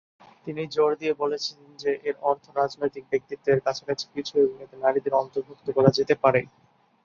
তিনি জোর দিয়ে বলেছিলেন যে এর অর্থ "রাজনৈতিক ব্যক্তিত্ব" এর কাছাকাছি কিছু এবং এতে নারীদের অন্তর্ভুক্ত করা যেতে পারে।